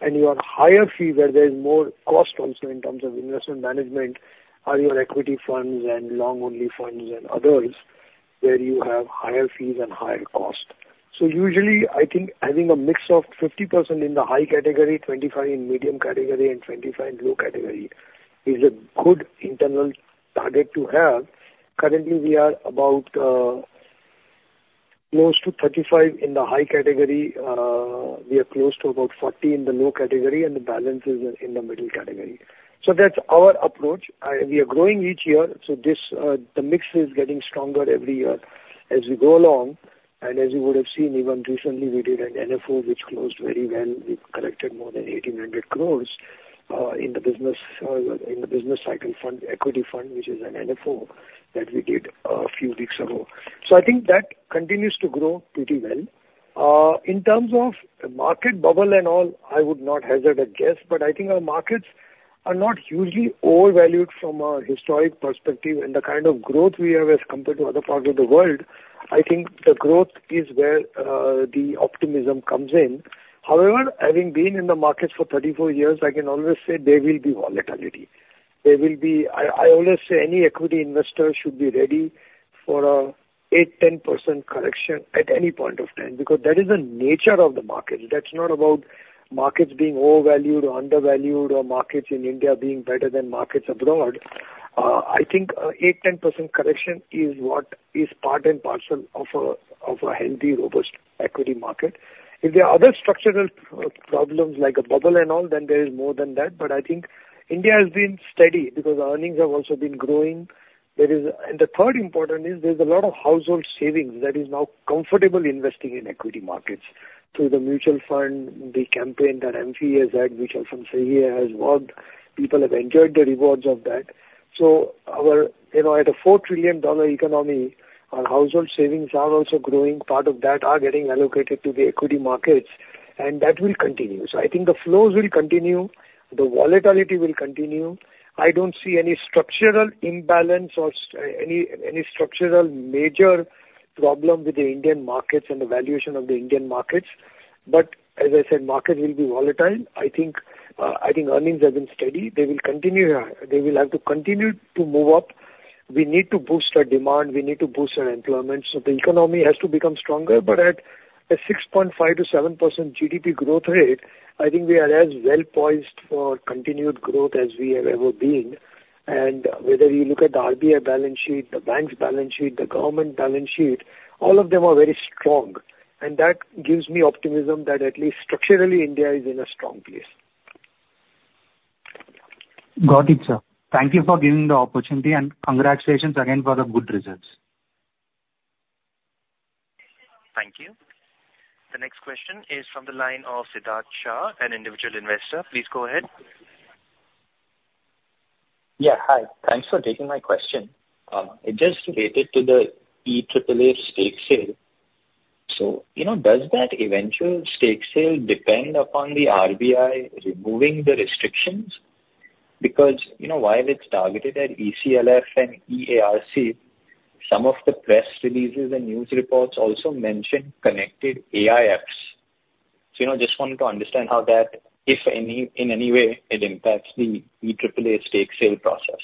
And your higher fee, where there is more cost also in terms of investment management, are your equity funds and long-only funds and others where you have higher fees and higher cost. So usually, I think having a mix of 50% in the high category, 25% in medium category, and 25% in low category is a good internal target to have. Currently, we are about close to 35% in the high category. We are close to about 40% in the low category, and the balance is in the middle category. So that's our approach. We are growing each year. So the mix is getting stronger every year as we go along. And as you would have seen, even recently, we did an NFO, which closed very well. We collected more than 1,800 crore in the Business Cycle Fund, equity fund, which is an NFO that we did a few weeks ago. So I think that continues to grow pretty well. In terms of market bubble and all, I would not hazard a guess, but I think our markets are not hugely overvalued from a historic perspective. And the kind of growth we have as compared to other parts of the world, I think the growth is where the optimism comes in. However, having been in the markets for 34 years, I can always say there will be volatility. I always say any equity investor should be ready for an 8%-10% correction at any point of time because that is the nature of the markets. That's not about markets being overvalued or undervalued or markets in India being better than markets abroad. I think an 8%-10% correction is part and parcel of a healthy, robust equity market. If there are other structural problems like a bubble and all, then there is more than that. But I think India has been steady because earnings have also been growing. And the third important is there's a lot of household savings that is now comfortable investing in equity markets through the mutual fund, the campaign that AMFI has had, which I'll say here has worked. People have enjoyed the rewards of that. So at a $4 trillion economy, our household savings are also growing. Part of that is getting allocated to the equity markets, and that will continue. So I think the flows will continue. The volatility will continue. I don't see any structural imbalance or any structural major problem with the Indian markets and the valuation of the Indian markets. But as I said, markets will be volatile. I think earnings have been steady. They will continue here. They will have to continue to move up. We need to boost our demand. We need to boost our employment. So the economy has to become stronger. But at a 6.5%-7% GDP growth rate, I think we are as well poised for continued growth as we have ever been. And whether you look at the RBI balance sheet, the bank's balance sheet, the government balance sheet, all of them are very strong. That gives me optimism that at least structurally, India is in a strong place. Got it, sir. Thank you for giving the opportunity, and congratulations again for the good results. Thank you. The next question is from the line of Sidharth Shah, an individual investor. Please go ahead. Yeah. Hi. Thanks for taking my question. It just related to the EAAA stake sale. So does that eventual stake sale depend upon the RBI removing the restrictions? Because while it's targeted at ECLF and EARC, some of the press releases and news reports also mention connected AIFs. So I just wanted to understand how that, if any, in any way, it impacts the EAAA stake sale process.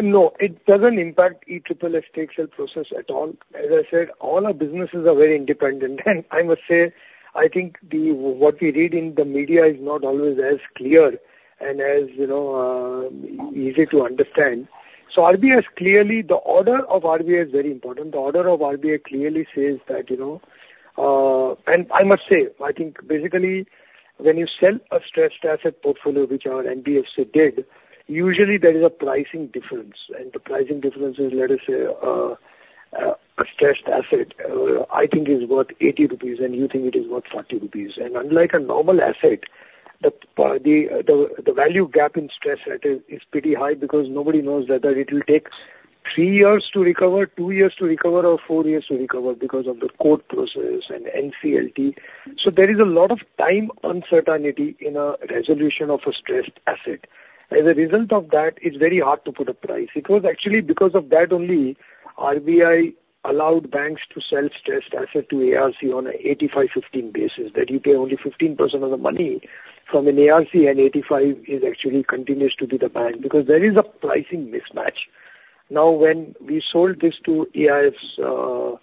No, it doesn't impact EAAA stake sale process at all. As I said, all our businesses are very independent. And I must say, I think what we read in the media is not always as clear and as easy to understand. So the order of RBI is very important. The order of RBI clearly says that-and I must say, I think basically when you sell a stressed asset portfolio, which our NBFC did, usually there is a pricing difference. And the pricing difference is, let us say, a stressed asset, I think is worth 80 rupees, and you think it is worth 40 rupees. And unlike a normal asset, the value gap in stressed assets is pretty high because nobody knows whether it will take three years to recover, two years to recover, or four years to recover because of the court process and NCLT. So there is a lot of time uncertainty in a resolution of a stressed asset. As a result of that, it's very hard to put a price. It was actually because of that only RBI allowed banks to sell stressed assets to ARC on an 85-15 basis, that you pay only 15% of the money from an ARC, and 85% actually continues to be the bank because there is a pricing mismatch. Now, when we sold this to AIFs,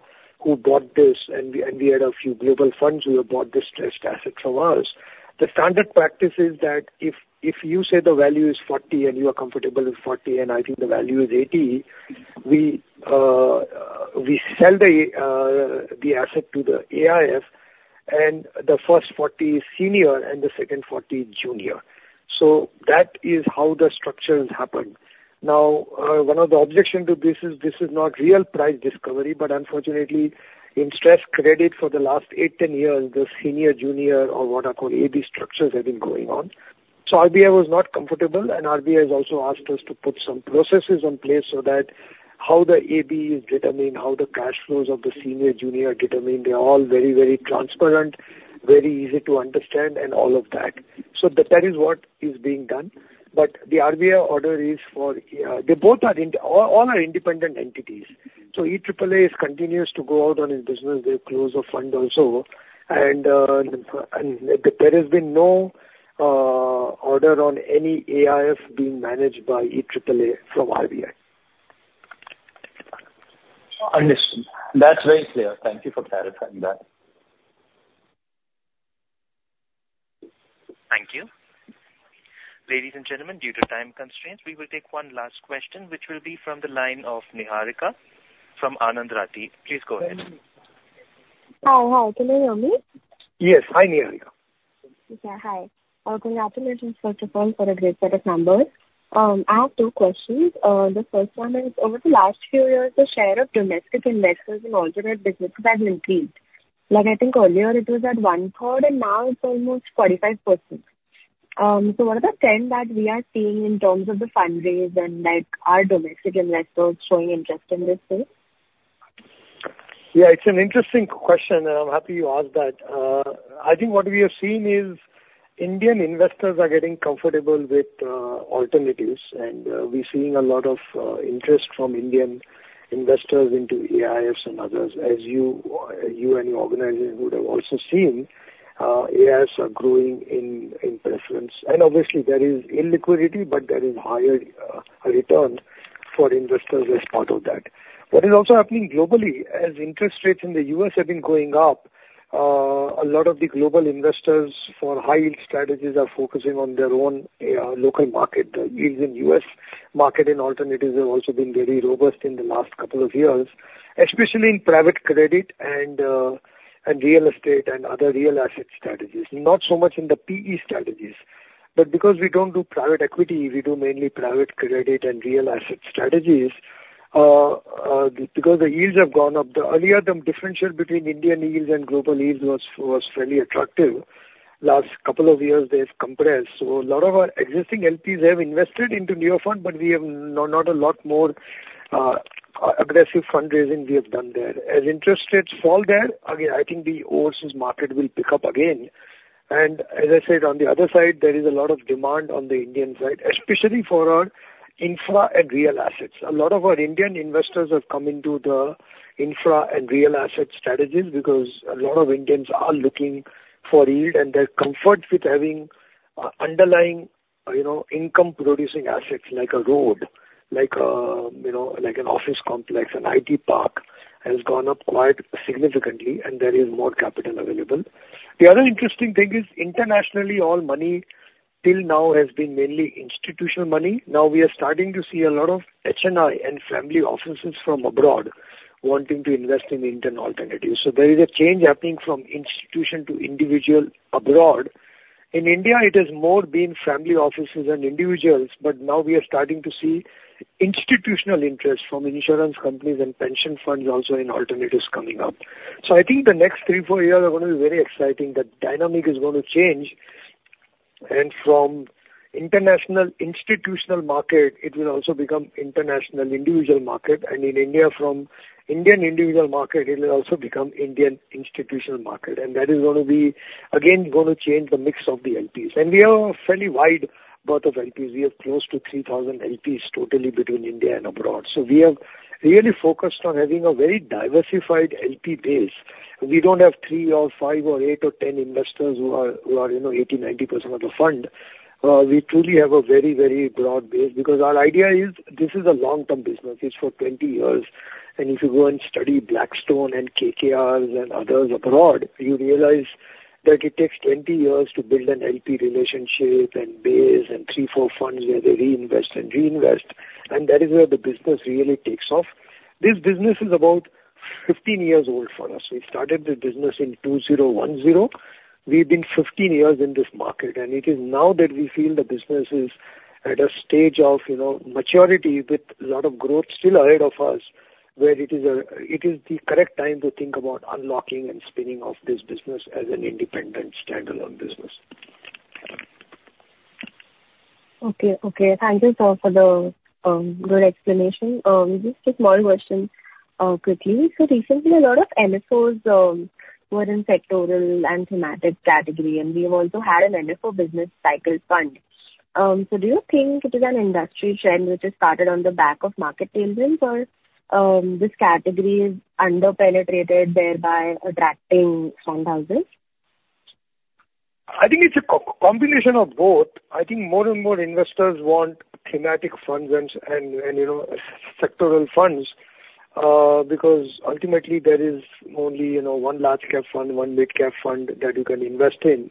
who bought this, and we had a few global funds who have bought the stressed asset from us, the standard practice is that if you say the value is 40 and you are comfortable with 40, and I think the value is 80, we sell the asset to the AIF, and the first 40 is senior and the second 40 is junior. So that is how the structures happen. Now, one of the objections to this is this is not real price discovery, but unfortunately, in stress credit for the last 8-10 years, the senior-junior or what are called AB structures have been going on. So RBI was not comfortable, and RBI has also asked us to put some processes in place so that how the AB is determined, how the cash flows of the senior-junior are determined, they're all very, very transparent, very easy to understand, and all of that. So that is what is being done. But the RBI order is for—they both are all independent entities. So EAAA continues to go out on its business. They've closed a fund also. And there has been no order on any AIF being managed by EAAA from RBI. Understood. That's very clear. Thank you for clarifying that. Thank you. Ladies and gentlemen, due to time constraints, we will take one last question, which will be from the line of Niharika from Anand Rathi. Please go ahead. Hi. Hi. Can you hear me? Yes. Hi, Niharika. Yeah. Hi. Congratulations, first of all, for a great set of numbers. I have two questions. The first one is, over the last few years, the share of domestic investors in alternative businesses has increased. I think earlier it was at one-third, and now it's almost 45%. So what are the trends that we are seeing in terms of the fundraising and our domestic investors showing interest in this thing? Yeah. It's an interesting question, and I'm happy you asked that. I think what we have seen is Indian investors are getting comfortable with alternatives, and we're seeing a lot of interest from Indian investors into AIFs and others. As you and your organization would have also seen, AIFs are growing in preference. Obviously, there is illiquidity, but there is higher return for investors as part of that. What is also happening globally, as interest rates in the U.S. have been going up, a lot of the global investors for high-yield strategies are focusing on their own local market. The yields in the U.S. market in alternatives have also been very robust in the last couple of years, especially in private credit and real estate and other real asset strategies. Not so much in the PE strategies. But because we don't do private equity, we do mainly private credit and real asset strategies because the yields have gone up. Earlier the differential between Indian yields and global yields was fairly attractive. Last couple of years, they've compressed. So a lot of our existing LPs have invested into new fund, but we have not a lot more aggressive fundraising we have done there. As interest rates fall there, again, I think the overseas market will pick up again. And as I said, on the other side, there is a lot of demand on the Indian side, especially for our infra and real assets. A lot of our Indian investors have come into the infra and real asset strategies because a lot of Indians are looking for yield, and they're comforted with having underlying income-producing assets like a road, like an office complex, an IT park has gone up quite significantly, and there is more capital available. The other interesting thing is, internationally, all money till now has been mainly institutional money. Now, we are starting to see a lot of HNI and family offices from abroad wanting to invest in Indian alternatives. So there is a change happening from institution to individual abroad. In India, it has more been family offices and individuals, but now we are starting to see institutional interest from insurance companies and pension funds also in alternatives coming up. So I think the next 3-4 years are going to be very exciting. The dynamic is going to change. And from international institutional market, it will also become international individual market. And in India, from Indian individual market, it will also become Indian institutional market. And that is going to be, again, going to change the mix of the LPs. And we have a fairly wide breadth of LPs. We have close to 3,000 LPs totally between India and abroad. So we have really focused on having a very diversified LP base. We don't have three or five or eight or 10 investors who are 80%-90% of the fund. We truly have a very, very broad base because our idea is this is a long-term business. It's for 20 years. And if you go and study Blackstone and KKRs and others abroad, you realize that it takes 20 years to build an LP relationship and base and 3-4 funds where they reinvest and reinvest. And that is where the business really takes off. This business is about 15 years old for us. We started the business in 2010. We've been 15 years in this market. It is now that we feel the business is at a stage of maturity with a lot of growth still ahead of us, where it is the correct time to think about unlocking and spinning off this business as an independent standalone business. Okay. Okay. Thank you for the good explanation. Just a small question quickly. So recently, a lot of NFOs were in sectoral and thematic category, and we have also had an NFO, Business Cycle Fund. So do you think it is an industry trend which has started on the back of market tailwinds, or this category is under-penetrated thereby attracting fund houses? I think it's a combination of both. I think more and more investors want thematic funds and sectoral funds because ultimately, there is only one large-cap fund, one mid-cap fund that you can invest in.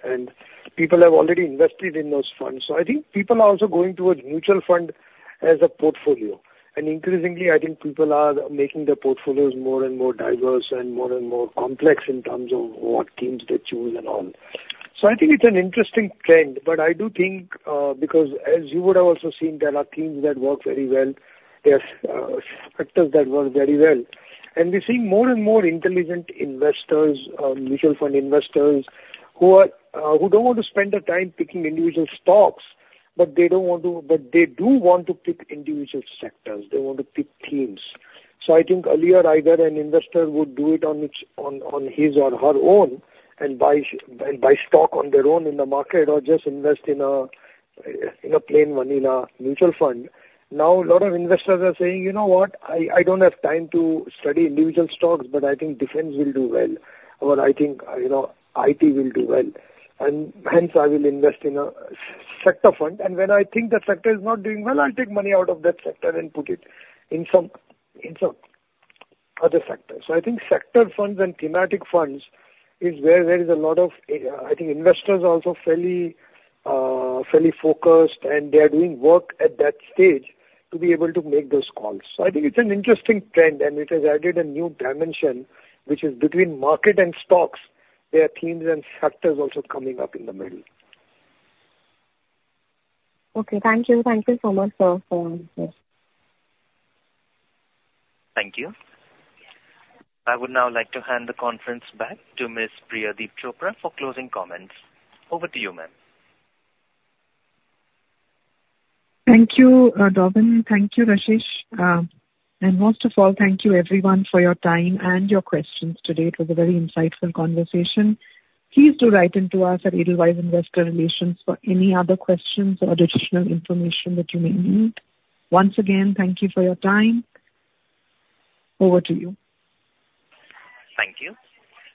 People have already invested in those funds. So I think people are also going towards mutual fund as a portfolio. And increasingly, I think people are making their portfolios more and more diverse and more and more complex in terms of what themes they choose and all. So I think it's an interesting trend. But I do think because as you would have also seen, there are themes that work very well. There are sectors that work very well. And we're seeing more and more intelligent investors, mutual fund investors, who don't want to spend their time picking individual stocks, but they don't want to, but they do want to pick individual sectors. They want to pick themes. So I think earlier, either an investor would do it on his or her own and buy stock on their own in the market or just invest in a plain one in a mutual fund. Now, a lot of investors are saying, "You know what? I don't have time to study individual stocks, but I think defense will do well. Or I think IT will do well. And hence, I will invest in a sector fund. And when I think the sector is not doing well, I'll take money out of that sector and put it in some other sector." So I think sector funds and thematic funds is where there is a lot of, I think, investors are also fairly focused, and they are doing work at that stage to be able to make those calls. So I think it's an interesting trend, and it has added a new dimension, which is between market and stocks. There are themes and sectors also coming up in the middle. Okay. Thank you. Thank you so much for your answers. Thank you. I would now like to hand the conference back to Ms. Priyadeep Chopra for closing comments. Over to you, ma'am. Thank you, Darwin. Thank you, Rashesh. And most of all, thank you, everyone, for your time and your questions today. It was a very insightful conversation. Please do write into us at Edelweiss Investor Relations for any other questions or additional information that you may need. Once again, thank you for your time. Over to you. Thank you.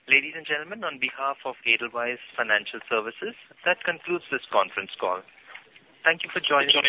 Ladies and gentlemen, on behalf of Edelweiss Financial Services, that concludes this conference call. Thank you for joining us.